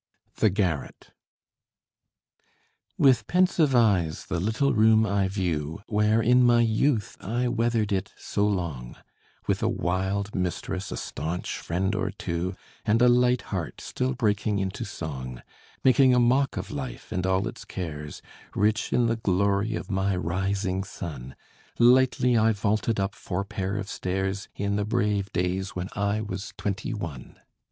THE GARRET With pensive eyes the little room I view, Where in my youth I weathered it so long, With a wild mistress, a stanch friend or two, And a light heart still breaking into song; Making a mock of life, and all its cares, Rich in the glory of my rising sun: Lightly I vaulted up four pair of stairs, In the brave days when I was twenty one.